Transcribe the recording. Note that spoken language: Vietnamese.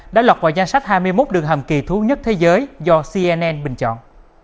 danh sách hai mươi một đường hầm kỳ thú nhất thế giới do cnn bình chọn